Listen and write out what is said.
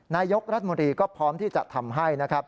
นายยกรัฐมนตรีก็พร้อมที่จะทำให้